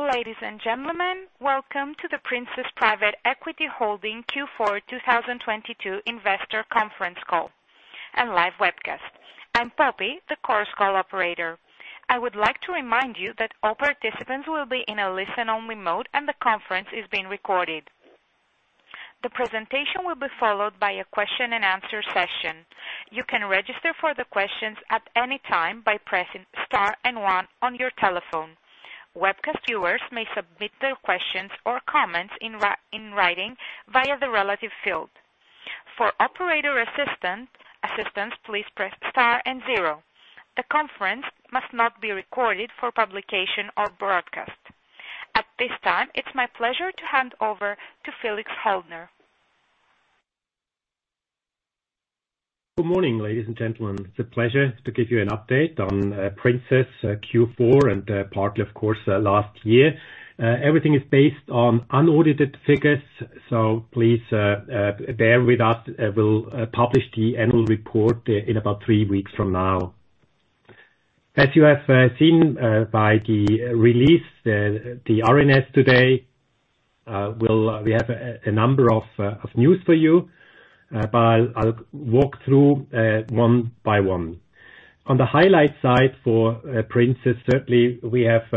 Ladies and gentlemen, welcome to the Princess Private Equity Holding Q4 2022 investor conference call and live webcast. I'm Poppy, the Chorus Call operator. I would like to remind you that all participants will be in a listen-only mode, and the conference is being recorded. The presentation will be followed by a question-and-answer session. You can register for the questions at any time by pressing star one on your telephone. Webcast viewers may submit their questions or comments in writing via the relative field. For operator assistance, please press star zero. The conference must not be recorded for publication or broadcast. At this time, it's my pleasure to hand over to Felix Haldner. Good morning, ladies and gentlemen. It's a pleasure to give you an update on Princess Q4 and partly, of course, last year. Everything is based on unaudited figures, so please bear with us. We'll publish the Annual Report in about three weeks from now. As you have seen by the release, the RNS today, we have a number of news for you. I'll walk through one by one. On the highlight side for Princess, certainly we have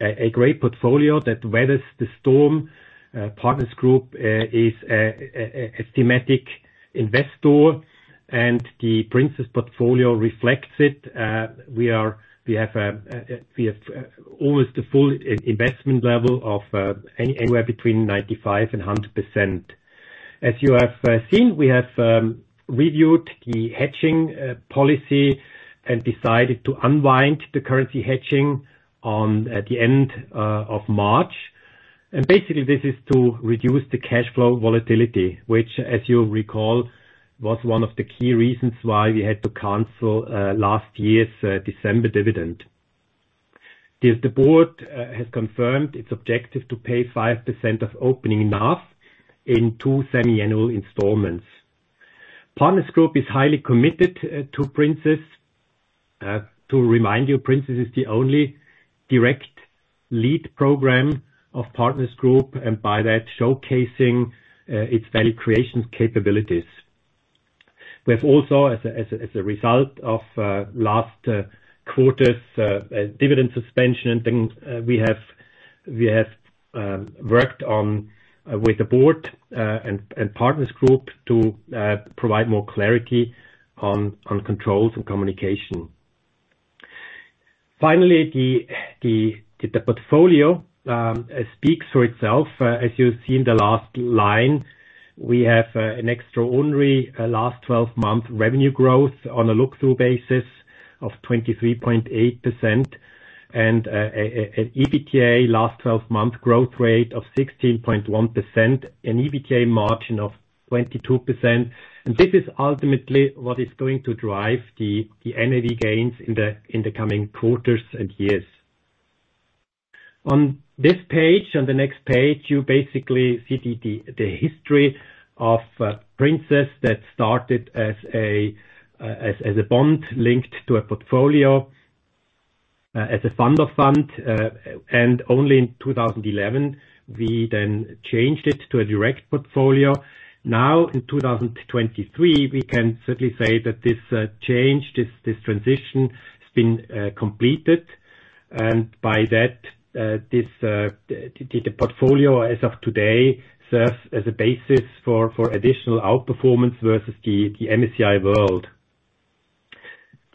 a great portfolio that weathers the storm. Partners Group is a thematic investor and the Princess' portfolio reflects it. We have always the full investment level of anywhere between 95% and 100%. As you have seen, we have reviewed the hedging policy and decided to unwind the currency hedging at the end of March. Basically, this is to reduce the cash flow volatility, which, as you'll recall, was one of the key reasons why we had to cancel last year's December dividend. The Board has confirmed its objective to pay 5% of opening NAV in two semi-annual installments. Partners Group is highly committed to Princess. To remind you, Princess is the only direct lead program of Partners Group, and by that showcasing its value creation capabilities. We have also, as a result of last quarter's dividend suspension, we have worked on with the Board and Partners Group to provide more clarity on controls and communication. Finally, the portfolio speaks for itself. As you see in the last line, we have an extraordinary last 12-month revenue growth on a look-through basis of 23.8% and an EBITDA last 12-month growth rate of 16.1%, an EBITDA margin of 22%. This is ultimately what is going to drive the NAV gains in the coming quarters and years. On this page, on the next page, you basically see the history of Princess that started as a bond linked to a portfolio, as a fund of fund. Only in 2011, we then changed it to a direct portfolio. Now in 2023, we can certainly say that this change, this transition, has been completed. By that, this the portfolio as of today serves as a basis for additional outperformance versus the MSCI World.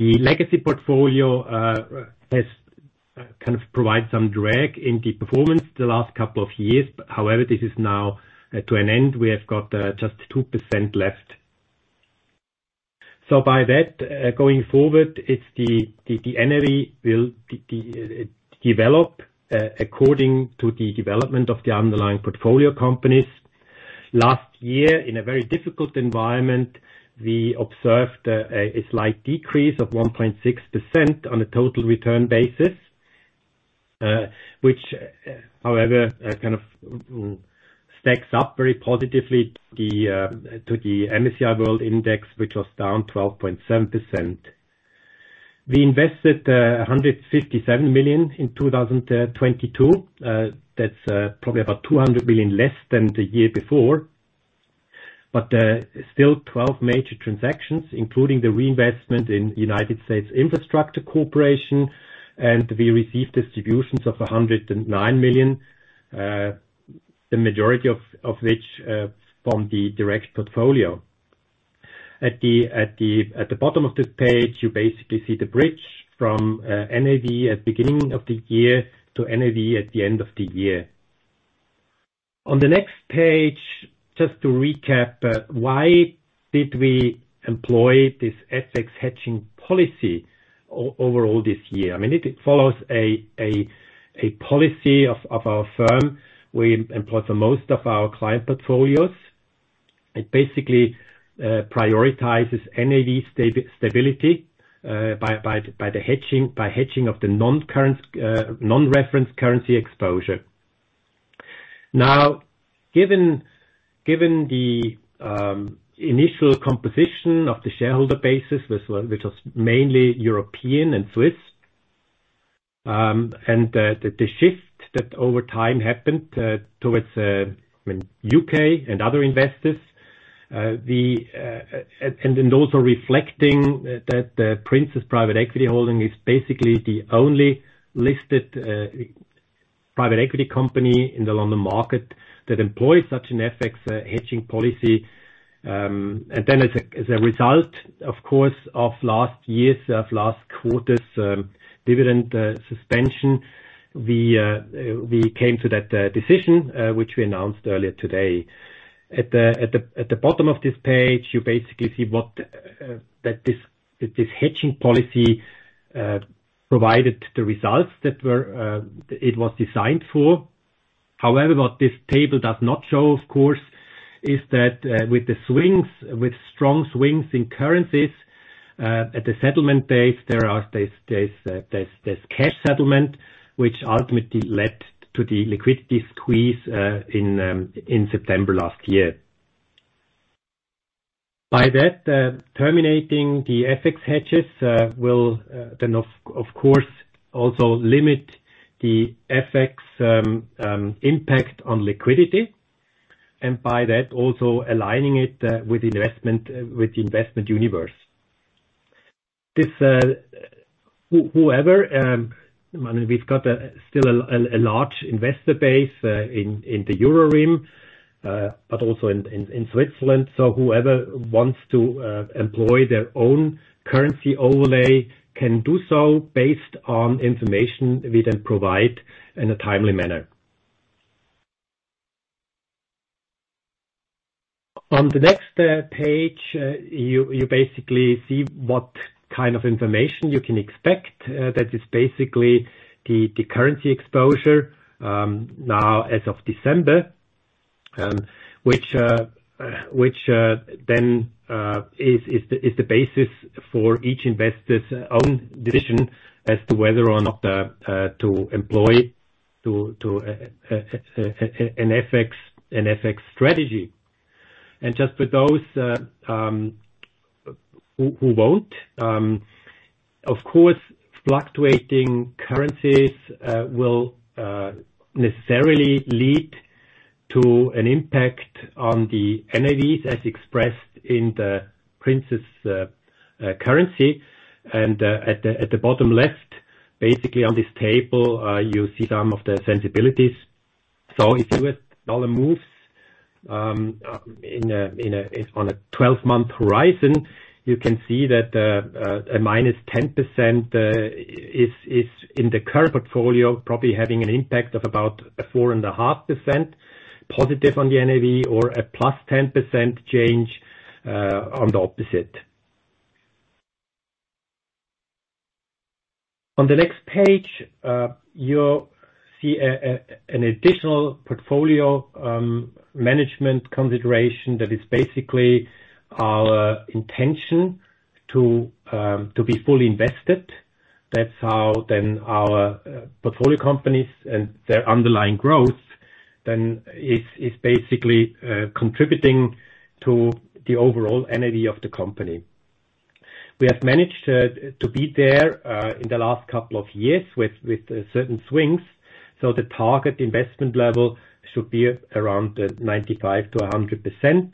The legacy portfolio has kind of provide some drag in the performance the last couple of years. This is now to an end. We have got just 2% left. By that, going forward, it's the NAV will develop according to the development of the underlying portfolio companies. Last year, in a very difficult environment, we observed a slight decrease of 1.6% on a total return basis, which however, kind of stacks up very positively to the MSCI World Index, which was down 12.7%. We invested 157 million in 2022. That's probably about 200 billion less than the year before. Still 12 major transactions, including the reinvestment in United States Infrastructure Corporation. We received distributions of 109 million, the majority of which from the direct portfolio. At the bottom of this page, you basically see the bridge from NAV at beginning of the year to NAV at the end of the year. On the next page, just to recap, why did we employ this FX hedging policy overall this year? I mean, it follows a policy of our firm we employ for most of our client portfolios. It basically prioritizes NAV stability by hedging of the non-reference currency exposure. Given the initial composition of the shareholder basis, which was mainly European and Swiss, and the shift that over time happened towards I mean U.K. and other investors, and then those are reflecting that Princess Private Equity Holding is basically the only listed private equity company in the London market that employs such an FX hedging policy. As a result, of course, of last year's, of last quarter's dividend suspension, we came to that decision, which we announced earlier today. At the bottom of this page, you basically see what that this hedging policy provided the results that were it was designed for. However, what this table does not show, of course, is that with strong swings in currencies at the settlement date, there's cash settlement, which ultimately led to the liquidity squeeze in September last year. By that, terminating the FX hedges will then of course also limit the FX impact on liquidity, and by that also aligning it with the investment universe. This, whoever, I mean, we've got still a large investor base in the Euroraum, but also in Switzerland. Whoever wants to employ their own currency overlay can do so based on information we then provide in a timely manner. On the next page, you basically see what kind of information you can expect. That is basically the currency exposure now as of December, which then is the basis for each investor's own decision as to whether or not to employ an FX strategy. Just for those who won't, of course, fluctuating currencies will necessarily lead to an impact on the NAVs as expressed in the Princess' currency. At the bottom left, basically on this table, you see some of the sensibilities. If U.S. dollar moves on a 12-month horizon, you can see that a -10% is in the current portfolio, probably having an impact of about a 4.5% positive on the NAV or a +10% change on the opposite. On the next page, you'll see an additional portfolio management consideration that is basically our intention to be fully invested. That's how then our portfolio companies and their underlying growth then is basically contributing to the overall NAV of the company. We have managed to be there in the last couple of years with certain swings, so the target investment level should be around 95%-100%.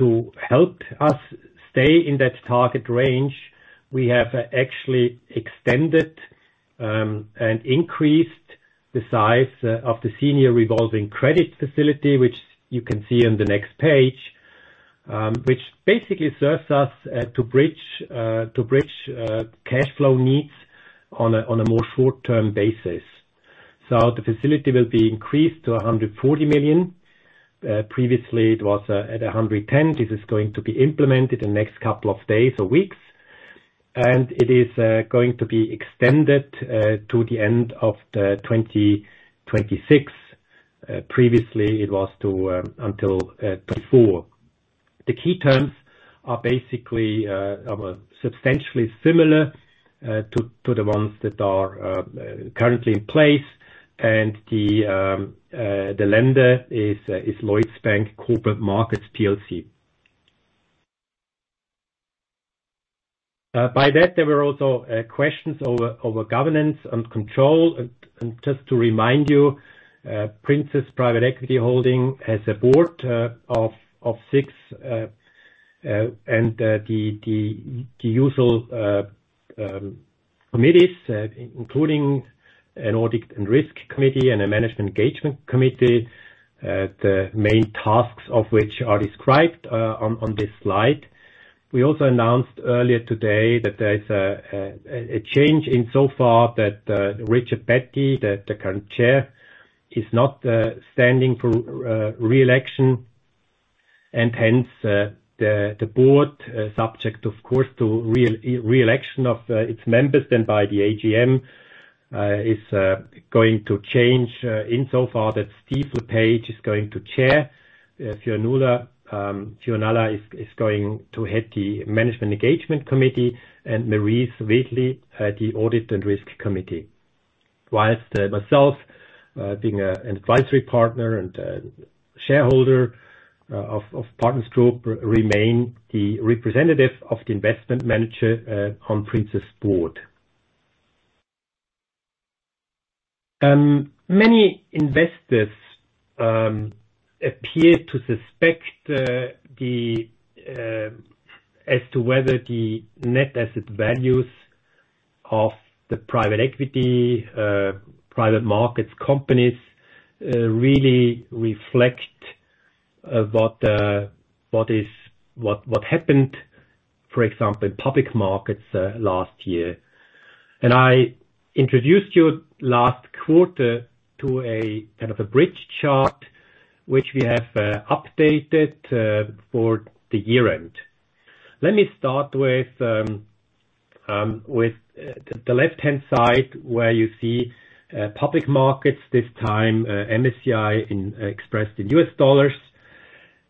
To help us stay in that target range, we have actually extended and increased the size of the senior revolving credit facility, which you can see on the next page, which basically serves us to bridge cash flow needs on a more short-term basis. The facility will be increased to 140 million. Previously it was at 110 million. This is going to be implemented the next couple of days or weeks, and it is going to be extended to the end of 2026. Previously, it was until 2024. The key terms are basically substantially similar to the ones that are currently in place. The lender is Lloyds Bank Corporate Markets plc. By that, there were also questions over governance and control. Just to remind you, Princess Private Equity Holding has a Board of six, and the usual committees, including an Audit and Risk Committee and a Management Engagement Committee, the main tasks of which are described on this slide. We also announced earlier today that there is a change in so far that Richard Battey, the current Chair, is not standing for re-election. Hence, the Board, subject of course to re-election of its members then by the AGM, is going to change in so far that Steve Le Page is going to Chair. Fionnuala. Fionnuala is going to Head the Management Engagement Committee, and Merise Wheatley the Audit and Risk Committee. Whilst myself, being an Advisory Partner and shareholder of Partners Group, remain the representative of the investment manager on Princess Board. Many investors appear to suspect as to whether the net asset values of the private equity private markets companies really reflect what happened, for example, in public markets last year. I introduced you last quarter to a kind of a bridge chart which we have updated for the year-end. Let me start with the left-hand side where you see public markets this time, MSCI expressed in U.S. dollars.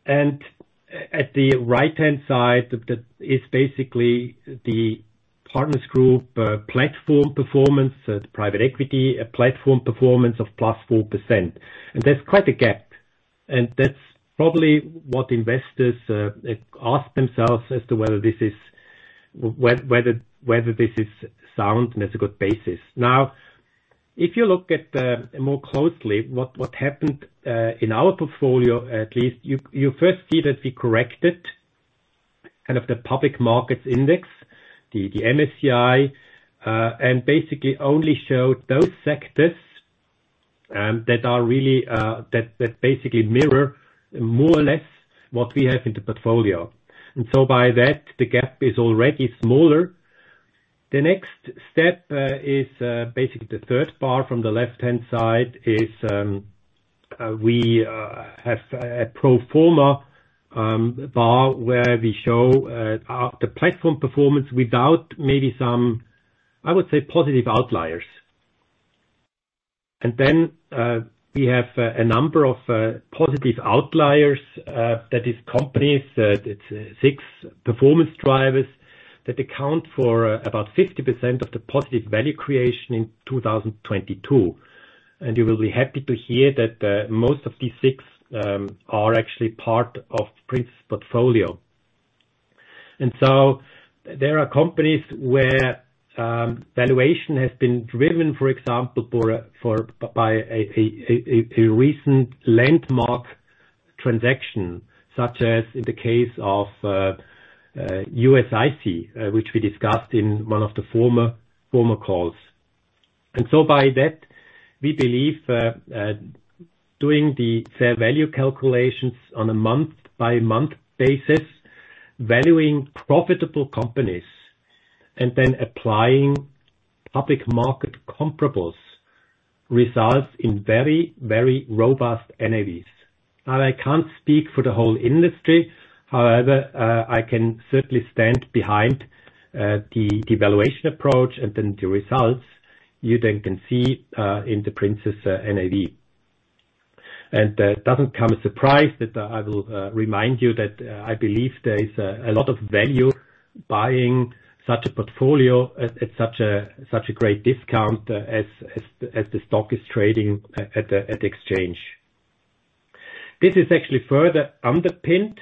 At the right-hand side that is basically the Partners Group platform performance, the private equity, a platform performance of +4%. That's quite a gap, and that's probably what investors ask themselves as to whether this is sound and it's a good basis. If you look at more closely what happened in our portfolio, at least, you first see that we corrected kind of the public markets index. T the MSCI, and basically only showed those sectors that are really that basically mirror more or less what we have in the portfolio. So by that, the gap is already smaller. The next step is, basing the third part from the left hand-side is, we, as a pro-forma bar, where we show the platform performance without, maybe some, I would say positive outliers. Then we have a number of positive outliers that the company said, its performance drivers that account for about 50% of the positive value creation in 2022. We were happy to hear that most of the six are actually part of Princess portfolio. So there are companies were valuations has been driven, for example for, for a recent landmark transaction, such as in the case of USIC which we discuss in one of the former, former calls. By that, we believe doing the fair value calculations on a month-by-month basis, valuing profitable companies, and then applying public market comparables results in very, very robust NAVs. Now, I can't speak for the whole industry, however, I can certainly stand behind the valuation approach and then the results you then can see in the Princess' NAV. That doesn't come as surprise that I will remind you that I believe there is a lot of value buying such a portfolio at such a great discount as the stock is trading at the exchange. This is actually further underpinned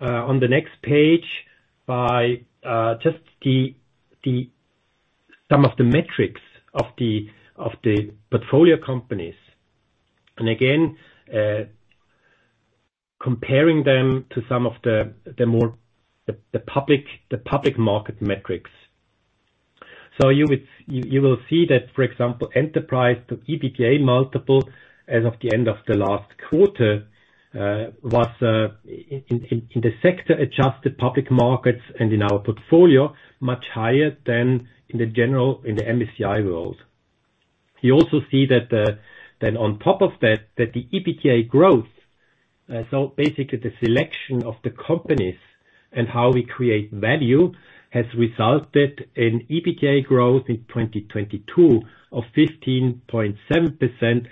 on the next page by just some of the metrics of the portfolio companies. Again, comparing them to some of the public market metrics. You will see that, for example, enterprise to EBITDA multiple as of the end of the last quarter was in the sector-adjusted public markets and in our portfolio, much higher than in the MSCI World. You also see that, then on top of that the EBITDA growth, so basically the selection of the companies and how we create value has resulted in EBITDA growth in 2022 of 15.7%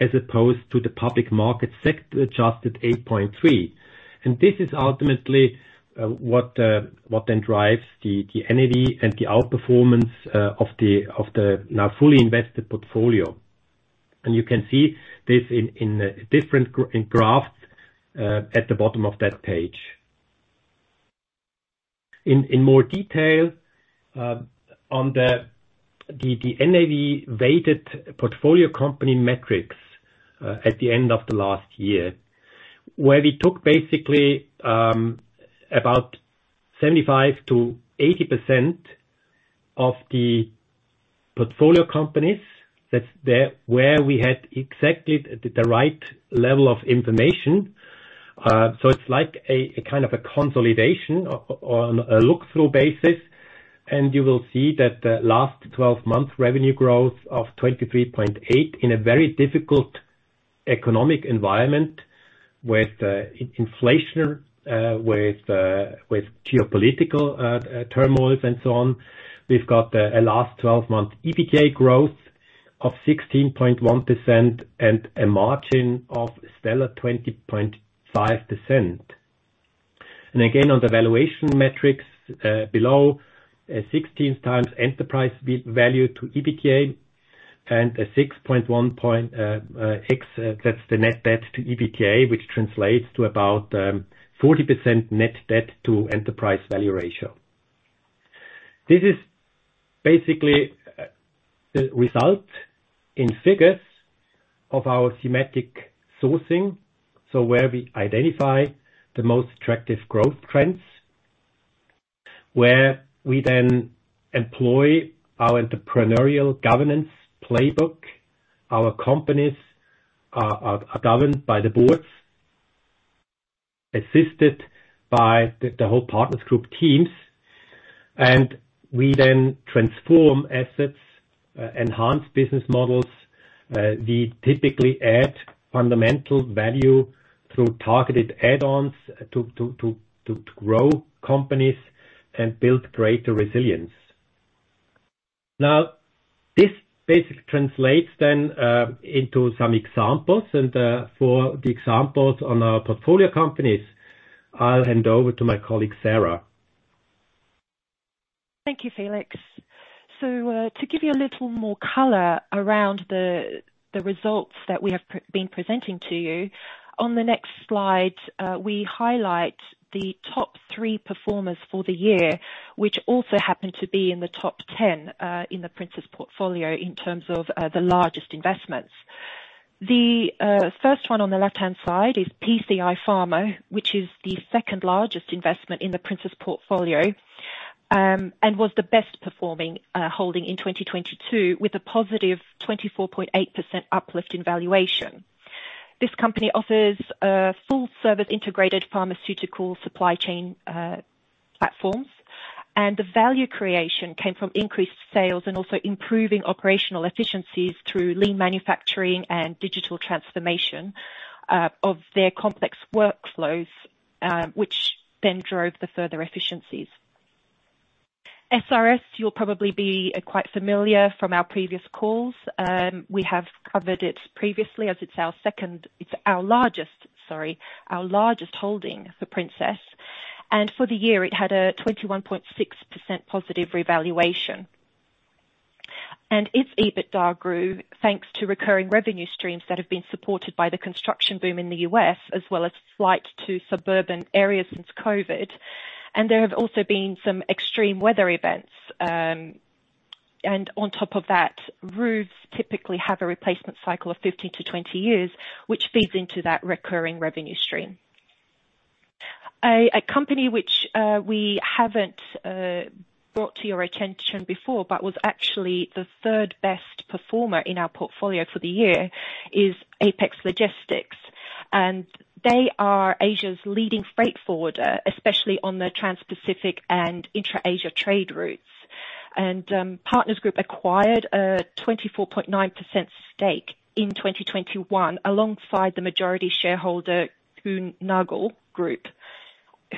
as opposed to the public market sector-adjusted 8.3%. This is ultimately what then drives the NAV and the outperformance of the now fully invested portfolio. You can see this in different graphs at the bottom of that page. In more detail, on the NAV-weighted portfolio company metrics at the end of the last year, where we took basically about 75%-80% of the portfolio companies that's where we had exactly the right level of information. So it's like a kind of a consolidation on a look-through basis. You will see that the last 12-month revenue growth of 23.8% in a very difficult economic environment with inflation, with geopolitical turmoil and so on. We've got a last 12-month EBITDA growth of 16.1% and a margin of stellar 20.5%. Again, on the valuation metrics, below 16x enterprise value to EBITDA and a 6.1x, that's the net debt to EBITDA, which translates to about 40% net debt to enterprise value ratio. This is basically the result in figures of our thematic sourcing, so where we identify the most attractive growth trends, where we then employ our entrepreneurial governance playbook. Our companies are governed by the Boards, assisted by the whole Partners Group teams, and we then transform assets, enhance business models. We typically add fundamental value through targeted add-ons to grow companies and build greater resilience. This basically translates then into some examples. For the examples on our portfolio companies, I'll hand over to my colleague, Sarah. To give you a little more color around the results that we have been presenting to you, on the next slide, we highlight the top three performers for the year, which also happen to be in the top 10 in the Princess portfolio in terms of the largest investments. The first one on the left-hand side is PCI Pharma, which is the second largest investment in the Princess portfolio, and was the best performing holding in 2022 with a +24.8% uplift in valuation. This company offers full service integrated pharmaceutical supply chain platforms, and the value creation came from increased sales and also improving operational efficiencies through lean manufacturing and digital transformation of their complex workflows, which then drove the further efficiencies SRS, you'll probably be quite familiar from our previous calls. We have covered it previously as it's our largest, sorry, our largest holding for Princess. For the year, it had a +21.6% revaluation. Its EBITDA grew thanks to recurring revenue streams that have been supported by the construction boom in the U.S., as well as flight to suburban areas since COVID. There have also been some extreme weather events, and on top of that, roofs typically have a replacement cycle of 15 to 20 years, which feeds into that recurring revenue stream. A company which we haven't brought to your attention before, but was actually the third best performer in our portfolio for the year is Apex Logistics. They are Asia's leading freight forwarder, especially on the Transpacific and Intra-Asia trade routes. Partners Group acquired a 24.9% stake in 2021 alongside the majority shareholder, Kuehne+Nagel Group,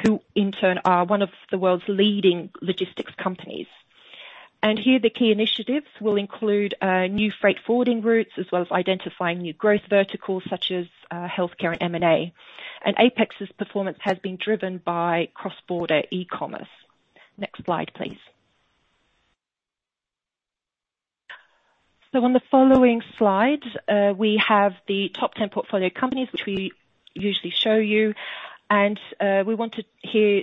who in turn are one of the world's leading logistics companies. Here the key initiatives will include new freight forwarding routes, as well as identifying new growth verticals such as healthcare and M&A. Apex's performance has been driven by cross-border e-commerce. Next slide, please. On the following slide, we have the top 10 portfolio companies which we usually show you. We wanted here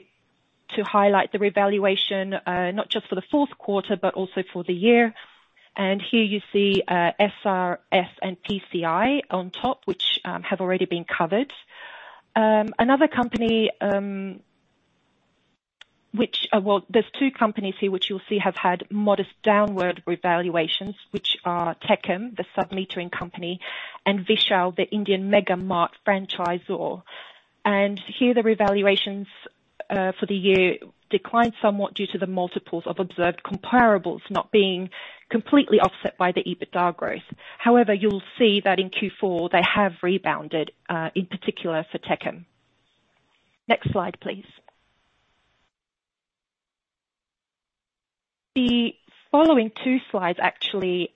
to highlight the revaluation not just for the fourth quarter, but also for the year. Here you see SRS and PCI on top, which have already been covered. Another company, which... Well, there's two companies here which you'll see have had modest downward revaluations, which are Techem, the sub-metering company, and Vishal, the Indian mega mart franchisor. Here the revaluations for the year declined somewhat due to the multiples of observed comparables not being completely offset by the EBITDA growth. However, you'll see that in Q4, they have rebounded in particular for Techem. Next slide, please. The following two slides actually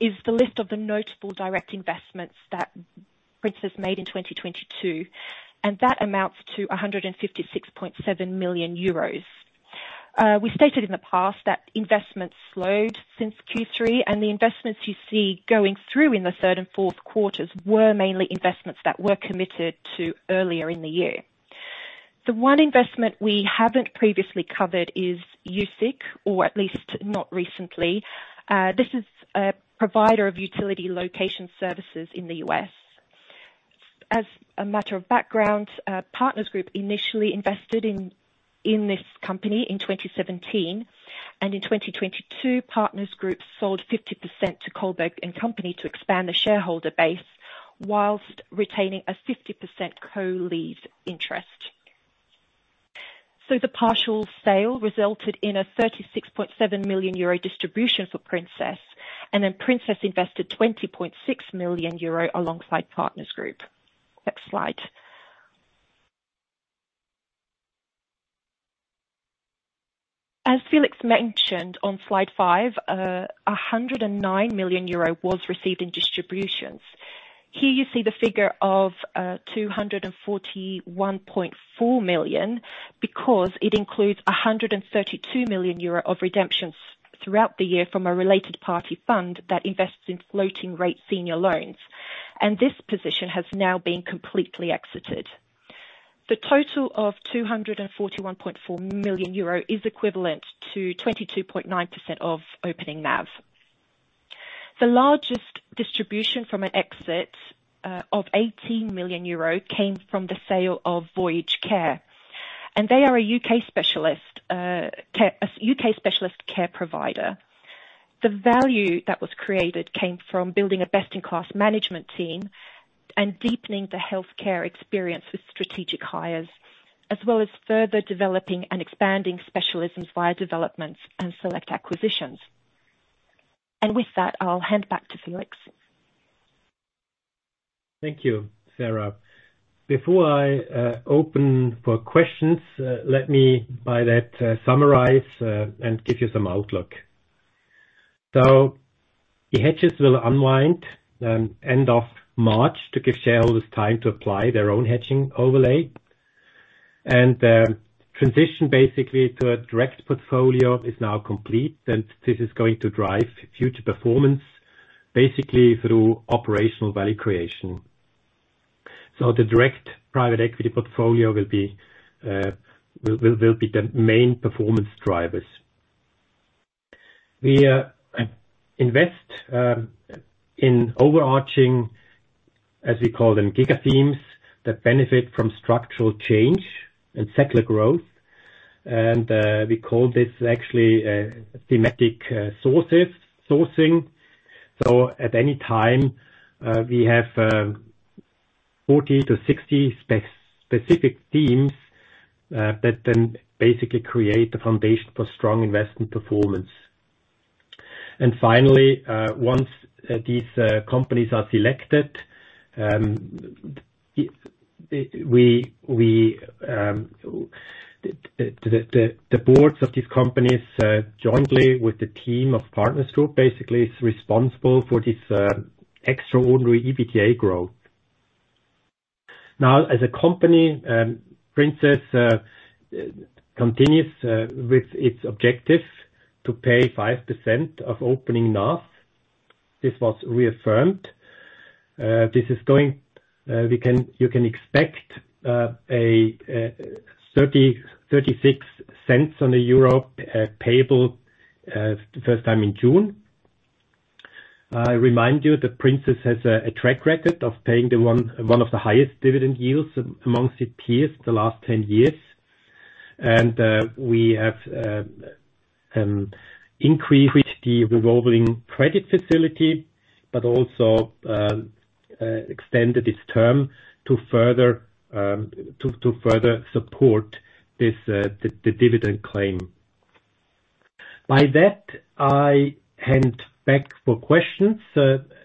is the list of the notable direct investments that Princess made in 2022, and that amounts to 156.7 million euros. We stated in the past that investments slowed since Q3, and the investments you see going through in the third and fourth quarters were mainly investments that were committed to earlier in the year. The one investment we haven't previously covered is USIC, or at least not recently. This is a provider of utility location services in the U.S. As a matter of background, Partners Group initially invested in this company in 2017. In 2022, Partners Group sold 50% to Kohlberg & Company to expand the shareholder base whilst retaining a 50% co-lead interest. The partial sale resulted in a 36.7 million euro distribution for Princess. Princess invested 20.6 million euro alongside Partners Group. Next slide. As Felix mentioned on slide five, 109 million euro was received in distributions. Here you see the figure of 241.4 million, because it includes 132 million euro of redemptions throughout the year from a related party fund that invests in floating rate senior loans. This position has now been completely exited. The total of 241.4 million euro is equivalent to 22.9% of opening NAV. The largest distribution from an exit of 18 million euro came from the sale of Voyage Care, and they are a U.K. specialist care provider. The value that was created came from building a best in class management team and deepening the healthcare experience with strategic hires, as well as further developing and expanding specialisms via developments and select acquisitions. With that, I'll hand back to Felix. Thank you, Sarah. Before I open for questions, let me by that summarize and give you some outlook. The hedges will unwind end of March to give shareholders time to apply their own hedging overlay. Transition basically to a direct portfolio is now complete, and this is going to drive future performance basically through operational value creation. The direct private equity portfolio will be the main performance drivers. We invest in overarching, as we call them, giga themes, that benefit from structural change and secular growth. We call this actually thematic sourcing. At any time, we have 40 to 60 specific themes that then basically create the foundation for strong investment performance. Finally, once these companies are selected, the Boards of these companies, jointly with the team of Partners Group, basically is responsible for this extraordinary EBITDA growth. Now, as a company, Princess continues with its objective to pay 5% of opening NAV. This was reaffirmed. You can expect 0.36 payable first time in June. I remind you that Princess has a track record of paying one of the highest dividend yields amongst its peers the last 10 years. We have increased the revolving credit facility, but also extended its term to further support the dividend claim. By that, I hand back for questions.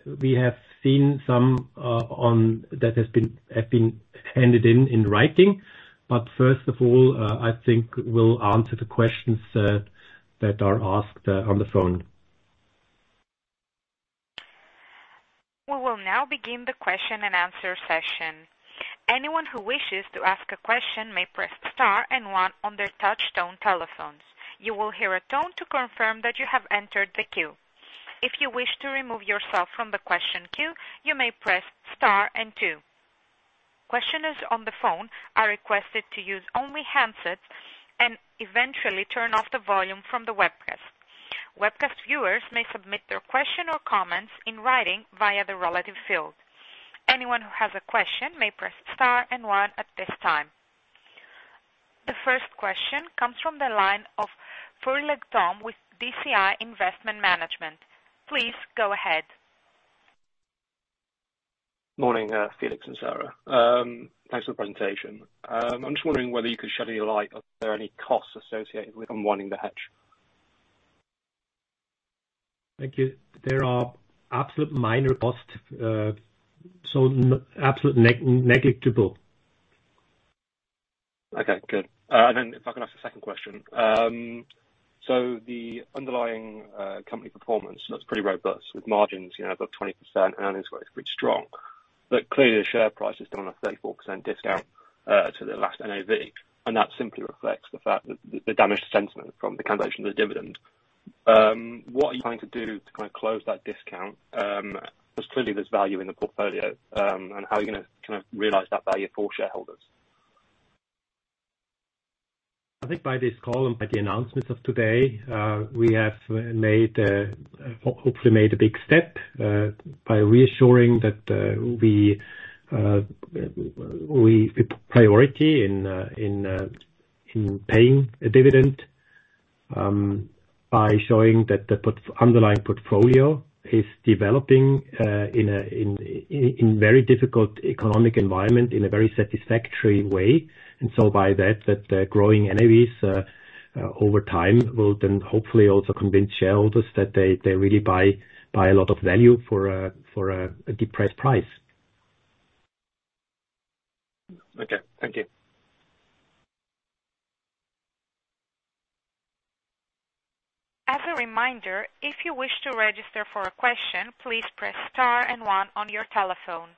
We have seen some have been handed in in writing. First of all, I think we'll answer the questions that are asked on the phone. We will now begin the question and answer session. Anyone who wishes to ask a question may press star and one on their touch-tone telephones. You will hear a tone to confirm that you have entered the queue. If you wish to remove yourself from the question queue, you may press star and two. Questioners on the phone are requested to use only handsets and eventually turn off the volume from the webcast. Webcast viewers may submit their question or comments in writing via the relative field. Anyone who has a question may press star and one at this time. The first question comes from the line of [Furley Dom] with DCI Investment Management. Please go ahead. Morning, Felix and Sarah. Thanks for the presentation. I'm just wondering whether you could shed any light. Are there any costs associated with unwinding the hedge? Thank you. There are absolute minor costs, so absolute negligible. Okay, good. If I can ask a second question. The underlying company performance looks pretty robust with margins, you know, above 20% earnings growth is pretty strong. Clearly the share price is still on a 34% discount to the last NAV, and that simply reflects the fact that the damage to sentiment from the cancellation of the dividend. What are you trying to do to kind of close that discount? 'Cause clearly there's value in the portfolio, how are you gonna kind of realize that value for shareholders? I think by this call and by the announcements of today, we have made hopefully made a big step by reassuring that we priority in in in paying a dividend by showing that the underlying portfolio is developing in a very difficult economic environment in a very satisfactory way. By that growing NAVs over time will then hopefully also convince shareholders that they really buy a lot of value for a depressed price. Okay, thank you. As a reminder, if you wish to register for a question, please press star and one on your telephone.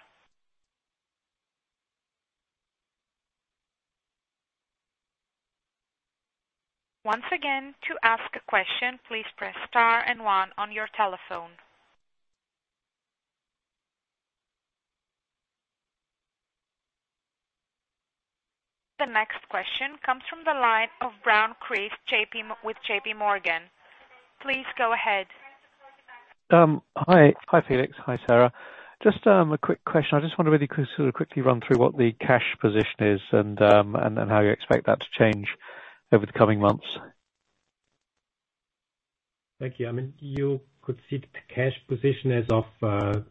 Once again, to ask a question, please press star and one on your telephone. The next question comes from the line of Brown Chris with JPMorgan. Please go ahead. Hi. Hi, Felix. Hi, Sarah. Just a quick question. I just want to really sort of quickly run through what the cash position is and how you expect that to change over the coming months. Thank you. I mean, you could see the cash position as of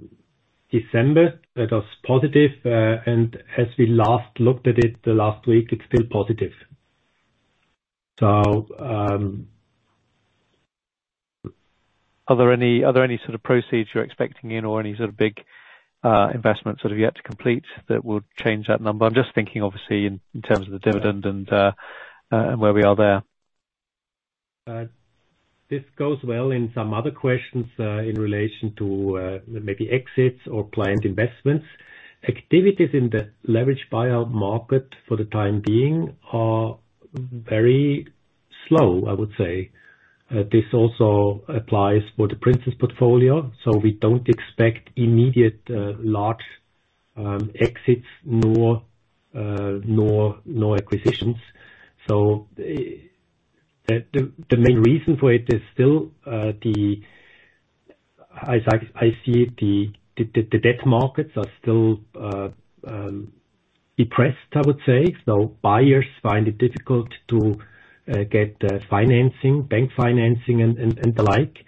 December. That was positive. As we last looked at it the last week, it's still positive. Are there any sort of proceeds you're expecting in or any sort of big investments that are yet to complete that would change that number? I'm just thinking obviously in terms of the dividend and where we are there. This goes well in some other questions, in relation to, maybe exits or planned investments. Activities in the leveraged buyout market for the time being are very slow, I would say. This also applies for the Princess' portfolio. We don't expect immediate, large, exits nor acquisitions. The main reason for it is still, the, as I see it, the debt markets are still depressed, I would say. Buyers find it difficult to get the financing, bank financing and the like.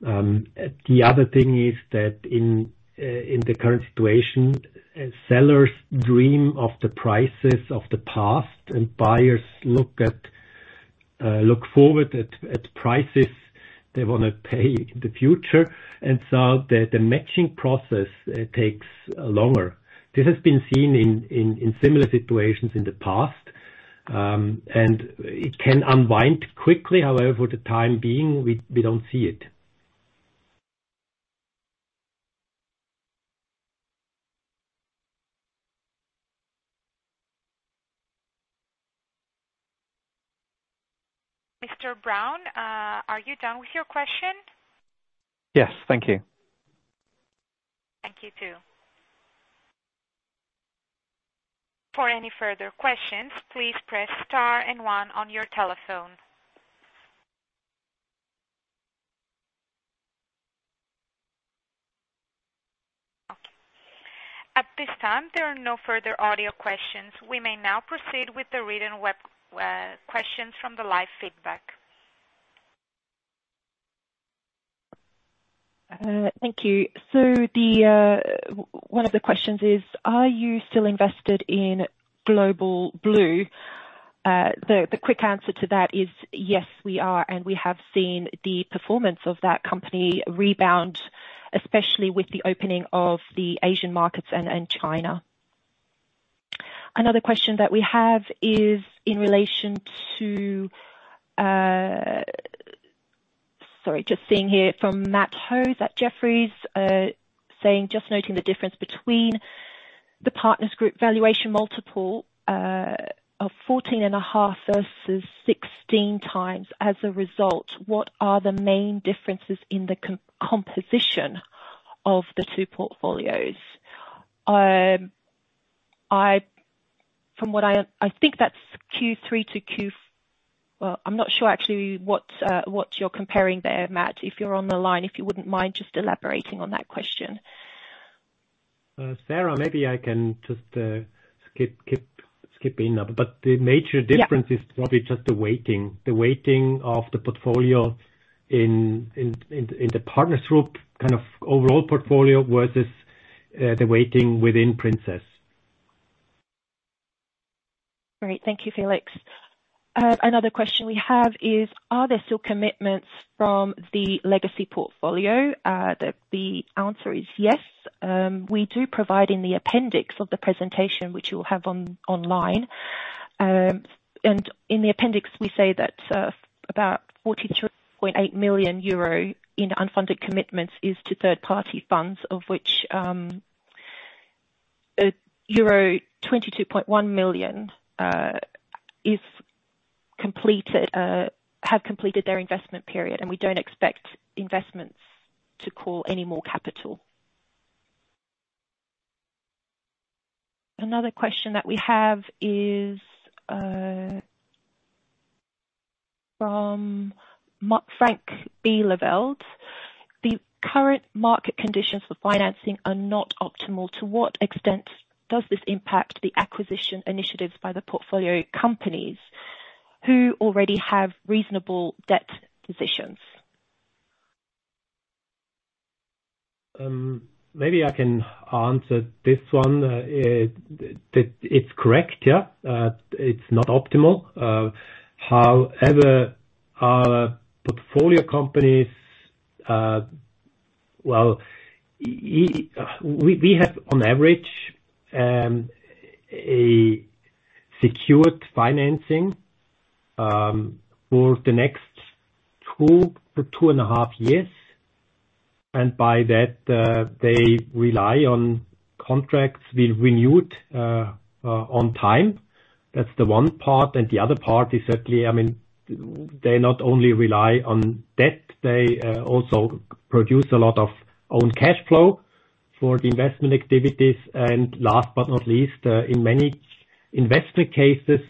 The other thing is that in the current situation, sellers dream of the prices of the past and buyers look forward at prices they want to pay in the future. The matching process takes longer. This has been seen in similar situations in the past. It can unwind quickly. However, for the time being, we don't see it. Mr. Brown, are you done with your question? Yes. Thank you. Thank you, too. For any further questions, please press star and one on your telephone. At this time, there are no further audio questions. We may now proceed with the read and web questions from the live feedback. Thank you. One of the questions is, are you still invested in Global Blue? The quick answer to that is yes, we are. We have seen the performance of that company rebound, especially with the opening of the Asian markets and China. Another question that we have is in relation to, Sorry, just seeing here from Matt Hose at Jefferies, saying, "Just noting the difference between the Partners Group valuation multiple of 14.5x versus 16x as a result. What are the main differences in the composition of the two portfolios?" From what I think that's Q3 to Q... Well, I'm not sure actually what you're comparing there, Matt. If you're on the line, if you wouldn't mind just elaborating on that question. Sarah, maybe I can just skip in. Yeah. But the major difference is probably just the weighting. The weighting of the portfolio in the Partners Group, kind of overall portfolio versus the weighting within Princess. Great. Thank you, Felix. Another question we have is, are there still commitments from the legacy portfolio? The answer is yes. We do provide in the appendix of the presentation, which you'll have online. In the appendix, we say that about 42.8 million euro in unfunded commitments is to third-party funds, of which euro 22.1 million have completed their investment period. We don't expect investments to call any more capital. Another question that we have is from [McFrank Bielefeld]. The current market conditions for financing are not optimal. To what extent does this impact the acquisition initiatives by the portfolio companies who already have reasonable debt positions? Maybe I can answer this one. It's correct, yeah. It's not optimal. However, our portfolio companies, well, we have on average a secured financing for the next two to 2.5 years. By that, they rely on contracts being renewed on time. That's the one part. The other part is certainly, I mean, they not only rely on debt, they also produce a lot of own cash flow for the investment activities. Last but not least, in many investor cases,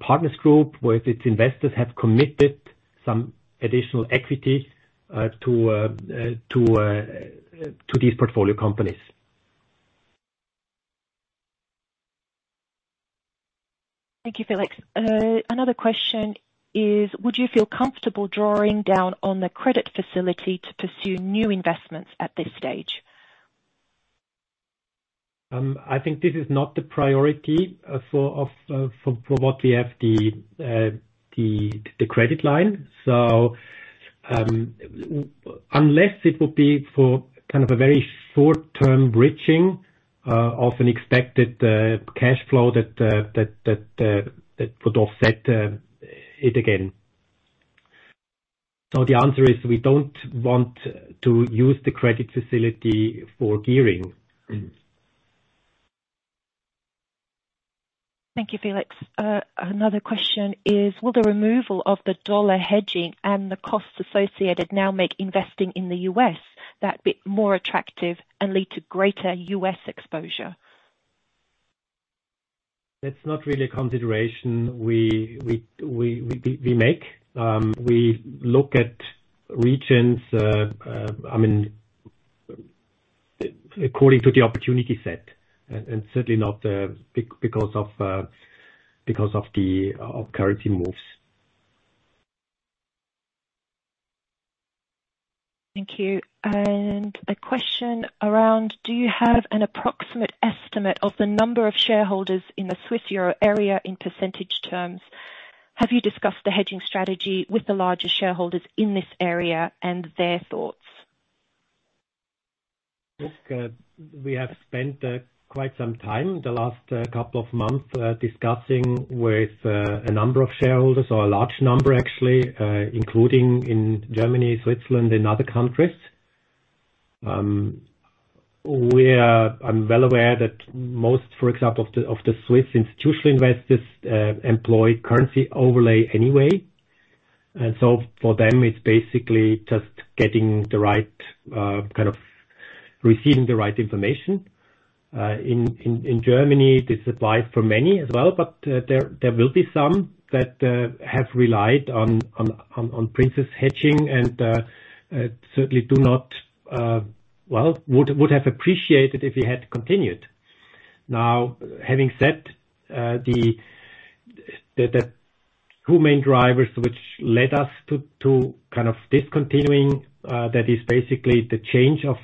Partners Group with its investors have committed some additional equity to these portfolio companies. Thank you, Felix. Another question is, would you feel comfortable drawing down on the credit facility to pursue new investments at this stage? I think this is not the priority for what we have the credit line. Unless it would be for kind of a very short-term bridging of an expected cash flow that that would offset it again. The answer is we don't want to use the credit facility for gearing. Thank you, Felix. Another question is: Will the removal of the U.S. dollar hedging and the costs associated now make investing in the U.S. that bit more attractive and lead to greater U.S. exposure? That's not really a consideration we make. We look at regions, I mean, according to the opportunity set and certainly not because of, because of the currency moves. Thank you. A question around: Do you have an approximate estimate of the number of shareholders in the Swiss euro area in percentage terms? Have you discussed the hedging strategy with the largest shareholders in this area and their thoughts? Look, we have spent quite some time the last couple of months discussing with a number of shareholders or a large number actually, including in Germany, Switzerland and other countries. I'm well aware that most, for example, of the Swiss institutional investors employ currency overlay anyway. For them, it's basically just getting the right kind of receiving the right information. In Germany, this applies for many as well. There will be some that have relied on Princess hedging and certainly do not. Well, would have appreciated if we had continued. Having said the two main drivers which led us to kind of discontinuing, that is basically the change of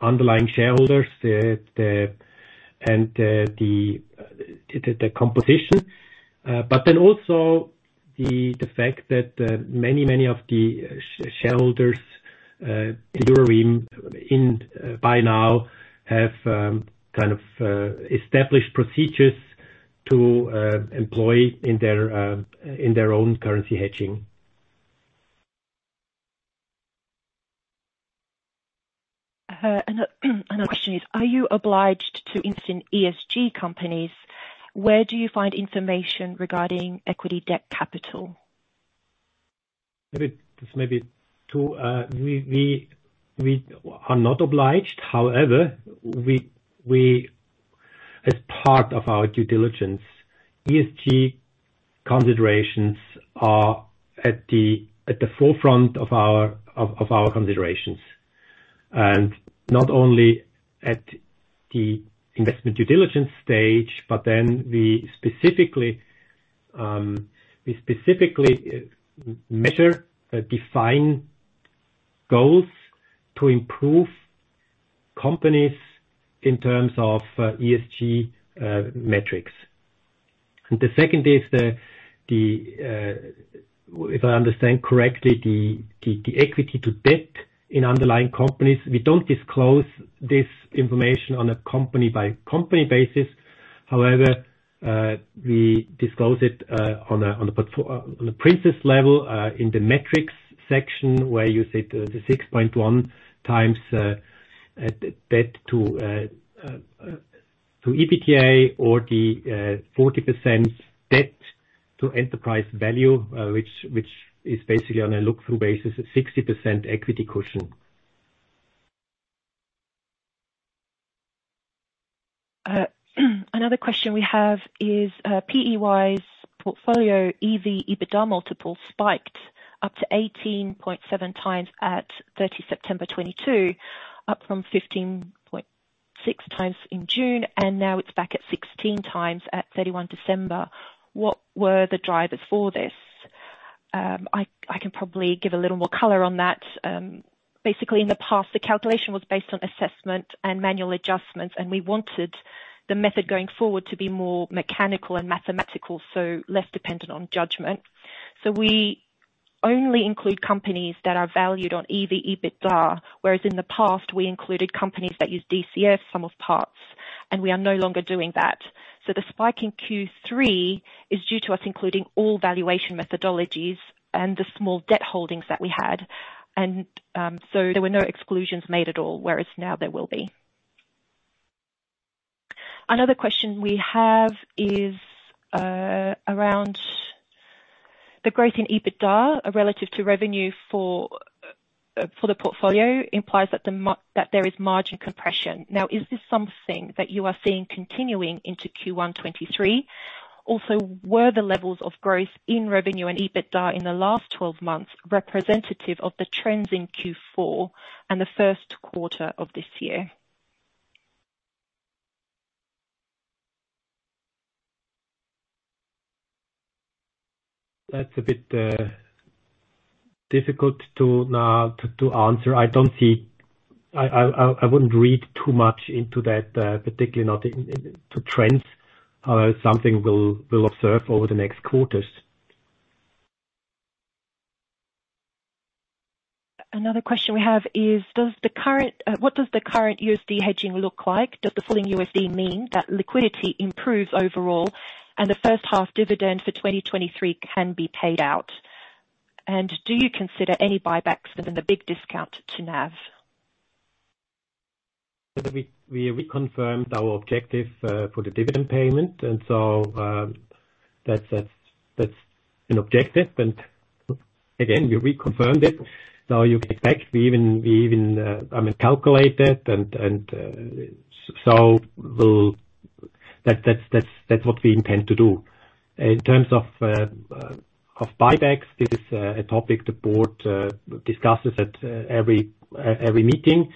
underlying shareholders, the and the composition. Also the fact that many of the shareholders in Euroraum by now have kind of established procedures to employ in their in their own currency hedging. Another question is, are you obliged to invest in ESG companies? Where do you find information regarding equity debt capital? Maybe this may be too. We are not obliged. However, we, as part of our due diligence, ESG considerations are at the forefront of our considerations. Not only at the investment due diligence stage, we specifically measure, define goals to improve companies in terms of ESG metrics. The second is, if I understand correctly, the equity to debt in underlying companies, we don't disclose this information on a company-by-company basis. However, we disclose it on a Princess level in the metrics section where you said the 6.1x debt to EBITDA or the 40% debt to enterprise value, which is basically on a look-through basis. A 60% equity cushion. Another question we have is PEY's portfolio, EV/EBITDA multiple spiked up to 18.7x at 30 September, 2022, up from 15.6x in June, and now it's back at 16x at 31 December, 2022. What were the drivers for this? I can probably give a little more color on that. Basically in the past the calculation was based on assessment and manual adjustments. We wanted the method going forward to be more mechanical and mathematical, so less dependent on judgment. We only include companies that are valued on EV/EBITDA, whereas in the past, we included companies that use DCF sum of parts, and we are no longer doing that. The spike in Q3 is due to us including all valuation methodologies and the small debt holdings that we had. There were no exclusions made at all, whereas now there will be. Another question we have is around the growth in EBITDA relative to revenue for the portfolio implies that there is margin compression. Is this something that you are seeing continuing into Q1 2023? Were the levels of growth in revenue and EBITDA in the last 12 months representative of the trends in Q4 and the first quarter of this year? That's a bit difficult to answer. I don't see... I wouldn't read too much into that particularly not in the trends. Something we'll observe over the next quarters. Another question we have is, what does the current USD hedging look like? Does the falling USD mean that liquidity improves overall and the first half dividend for 2023 can be paid out? Do you consider any buybacks given the big discount to NAV? We reconfirmed our objective for the dividend payment. That's an objective, and again, we reconfirmed it. You can expect we even, I mean, calculate it. That's what we intend to do. In terms of buybacks, this is a topic the Board discusses at every meeting.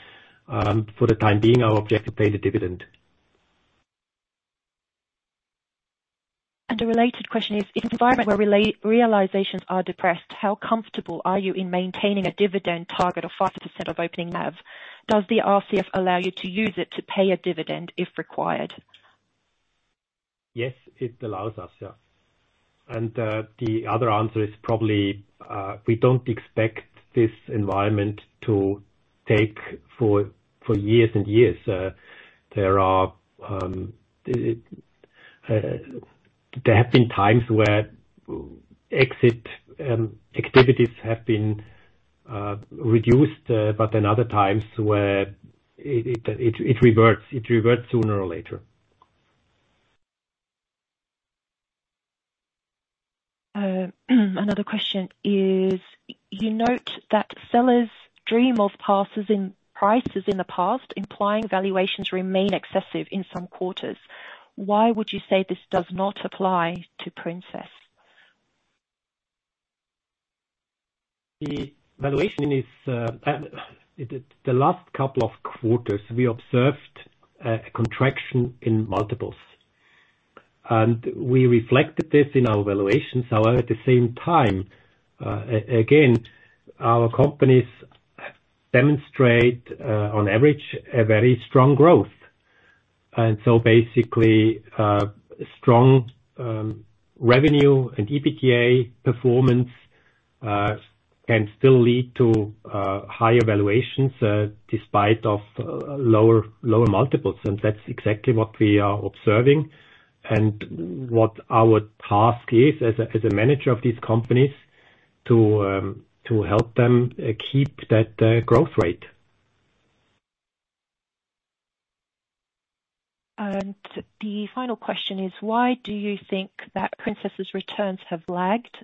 For the time being, our objective: pay the dividend. A related question is, in an environment where realizations are depressed, how comfortable are you in maintaining a dividend target of 5% of opening NAV? Does the RCF allow you to use it to pay a dividend if required? Yes, it allows us, yeah. The other answer is probably, we don't expect this environment to take for years and years. There have been times where exit activities have been reduced, other times where it reverts. It reverts sooner or later. Another question is, you note that sellers dream of prices in the past, implying valuations remain excessive in some quarters. Why would you say this does not apply to Princess? The last couple of quarters, we observed contraction in multiples, and we reflected this in our valuations. However, at the same time, again, our companies demonstrate on average, a very strong growth. Basically, strong revenue and EBITDA performance can still lead to higher valuations despite of lower multiples. That's exactly what we are observing and what our task is as a manager of these companies to help them keep that growth rate. The final question is, why do you think that Princess' returns have lagged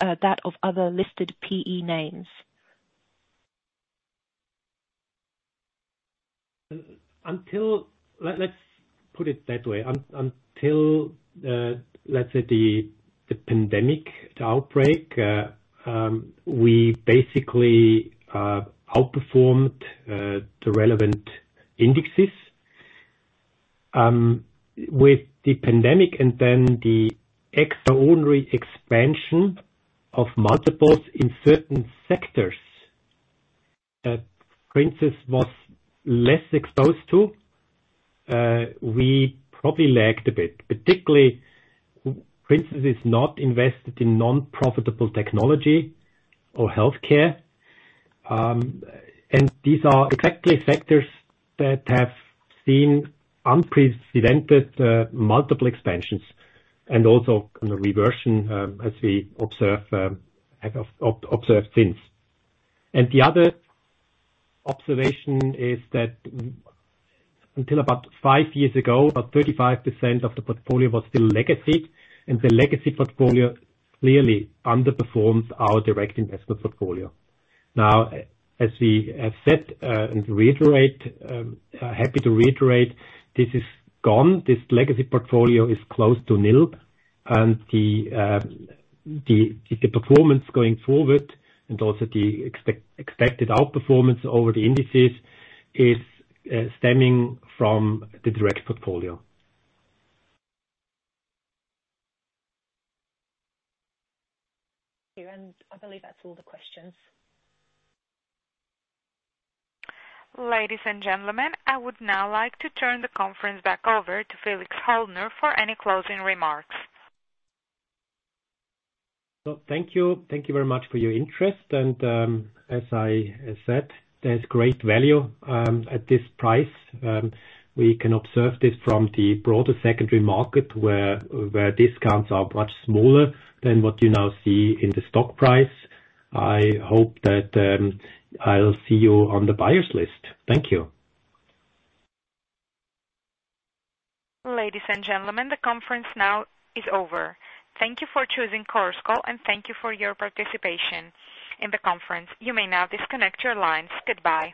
that of other listed PE names? Until, let's put it that way. Until, let's say, the pandemic, the outbreak, we basically outperformed the relevant indexes. With the pandemic and then the extraordinary expansion of multiples in certain sectors that Princess was less exposed to, we probably lagged a bit. Particularly, Princess is not invested in non-profitable technology or healthcare, and these are exactly sectors that have seen unprecedented multiple expansions and also the reversion, as we observe, have observed since. The other observation is that until about five years ago, about 35% of the portfolio was still legacy, and the legacy portfolio clearly underperforms our direct investment portfolio. Now, as we have said, and reiterate, happy to reiterate, this is gone. This legacy portfolio is close to nil, and the performance going forward and also the expected outperformance over the indices is stemming from the direct portfolio. I believe that's all the questions. Ladies and gentlemen, I would now like to turn the conference back over to Felix Haldner for any closing remarks. Thank you. Thank you very much for your interest and, as I said, there's great value at this price. We can observe this from the broader secondary market where discounts are much smaller than what you now see in the stock price. I hope that, I'll see you on the buyers list. Thank you. Ladies and gentlemen, the conference now is over. Thank you for choosing Chorus Call, and thank you for your participation in the conference. You may now disconnect your lines. Goodbye.